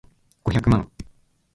五百万